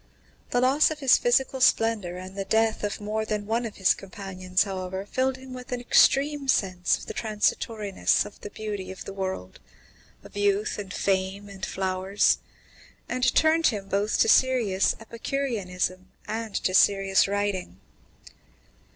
The loss of his physical splendour and the death of more than one of his companions, however, filled him with an extreme sense of the transitoriness of the beauty of the world of youth and fame and flowers and turned him both to serious epicureanism and to serious writing.